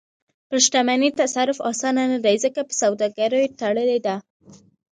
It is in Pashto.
پر شتمنۍ تصرف اسانه نه دی، ځکه په سوداګریو تړلې ده.